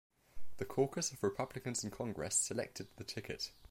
The caucus of Republicans in Congress selected the ticket.